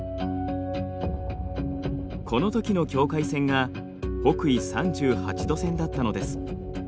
このときの境界線が北緯３８度線だったのです。